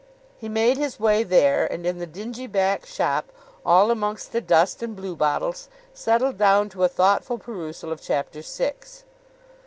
He made his way there, and in the dingy back shop, all amongst the dust and bluebottles, settled down to a thoughtful perusal of chapter six.